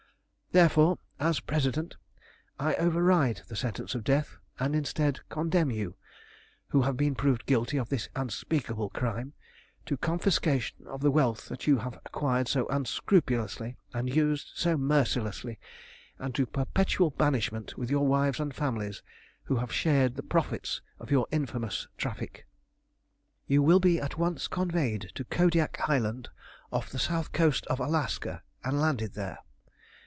Therefore, as President I override the sentence of death, and instead condemn you, who have been proved guilty of this unspeakable crime, to confiscation of the wealth that you have acquired so unscrupulously and used so mercilessly, and to perpetual banishment with your wives and families, who have shared the profits of your infamous traffic. "You will be at once conveyed to Kodiak Island, off the south coast of Alaska, and landed there.